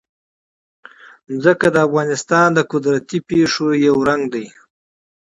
ځمکه د افغانستان د طبیعي پدیدو یو رنګ دی.